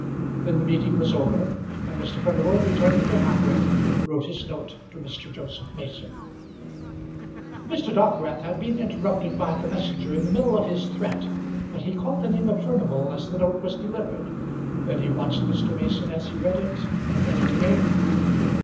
Then the meeting was over, and Mr. Furnival returning to Hamworth wrote his note to Mr. Joseph Mason. Mr. Dockwrath had been interrupted by the messenger in the middle of his threat, but he caught the name of Furnival as the note was delivered. Then he watched Mr. Mason as he read it and read it again.